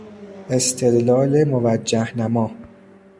استدلال موجه نما